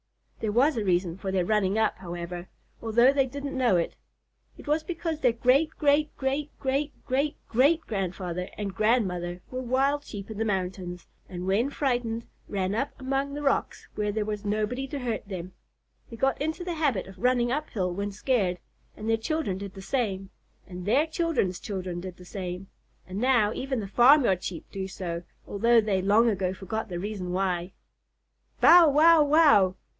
There was a reason for their running up, however, although they didn't know it. It was because their great great great great great great grandfather and grandmother were wild Sheep in the mountains, and when frightened ran up among the rocks where there was nobody to hurt them. They got into the habit of running up hill when scared, and their children did the same, and their children's children did the same, and now even the farmyard Sheep do so, although they long ago forgot the reason why. "Bow wow wow!"